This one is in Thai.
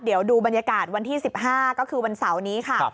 เดี๋ยวดูบรรยากาศวันที่๑๕ก็คือวันเสาร์นี้ค่ะ